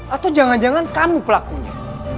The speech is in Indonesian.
atau jangan jangan kamu pelakunya